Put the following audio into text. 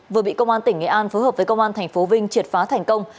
vừa bị công an tỉnh nghệ an phối hợp với công an tp vinh triệt phá thành công